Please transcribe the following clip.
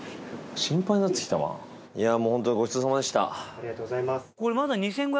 ありがとうございます。